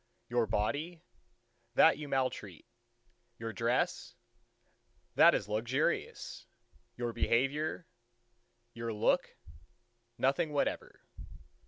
Your body? That you maltreat. Your dress? That is luxurious. You behavior, your look?—Nothing whatever.